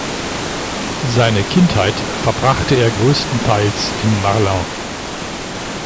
Seine Kindheit verbrachte er größtenteils in Marlin.